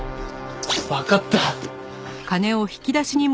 わかった。